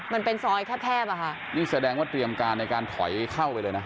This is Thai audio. มันเป็นซอยแคบแคบอ่ะค่ะนี่แสดงว่าเตรียมการในการถอยเข้าไปเลยนะ